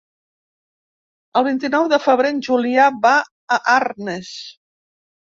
El vint-i-nou de febrer en Julià va a Arnes.